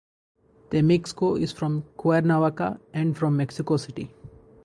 Temixco is from Cuernavaca and from Mexico City.